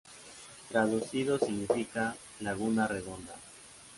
Traducido significa "Laguna Redonda".